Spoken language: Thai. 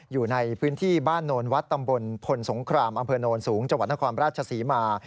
อยู่ในพื้นที่บ้านโนนวัดตำบลพลสงครามอำเภอโนนสูงจังหวัดนครราชศรีมา